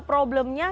dan bisa berlatih